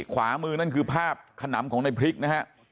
ขวามือนั่นคือภาพขนำของในพริกนะฮะ